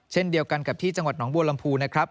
เช่นเดียวกันกับที่จังหวัดหนองบัวลำพูนะครับ